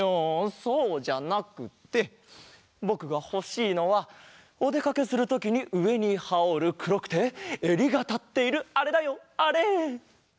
そうじゃなくてぼくがほしいのはおでかけするときにうえにはおるくろくてえりがたっているあれだよあれ！